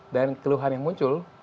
dan keluhan yang muncul